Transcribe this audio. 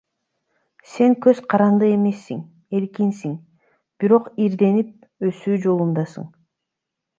Сен көз каранды эмессиң, эркинсиң, бирок ирденип, өсүү жолундасың.